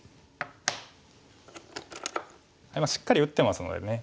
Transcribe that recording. しっかり打ってますのでね